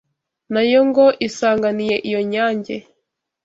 Na yo ngo isanganiye iyo nyange